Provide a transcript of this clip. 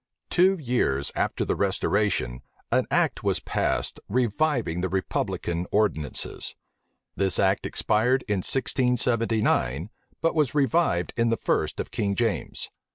Two years after the restoration, an act was passed reviving the republican ordinances. This act expired in 1679; but was revived in the first of King James.